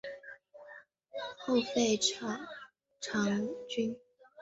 后废广长郡。